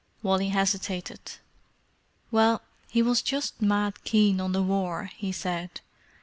Wally hesitated. "Well, he was just mad keen on the War," he said.